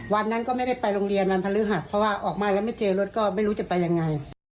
วันนั้นก็ไม่ได้ไปโรงเรียนวันพฤหัสเพราะว่าออกมาแล้วไม่เจอรถก็ไม่รู้จะไปยังไง